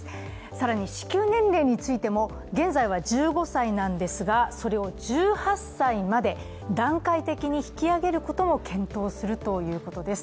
更に支給年齢についても現在は１５歳なんですが、それを１８歳まで段階的に引き上げることも検討するということです。